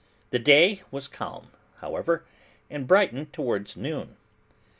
The day was calm, however, and brightened towards noon.